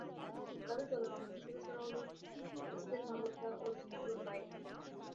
তার দলের অন্যান্য সদস্যরা হলো জেসলিন মালহোত্রা ও জি ইয়ুন বায়েক।